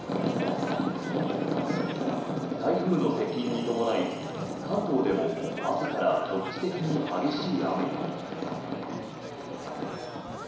台風の接近に伴い、関東でも朝から局地的に激しい雨が。